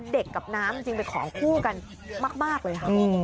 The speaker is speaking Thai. กับน้ำจริงเป็นของคู่กันมากเลยค่ะ